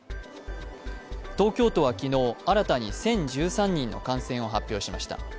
東京都は昨日、新たに１０１３人の感染を発表しました。